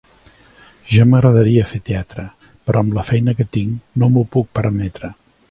Ja m'agradaria fer teatre, però amb la feina que tinc no m'ho puc permetre.